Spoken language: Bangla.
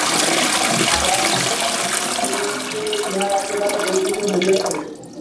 আবার কোনটিতে ইহা একেবারে বর্জিত হইয়াছে।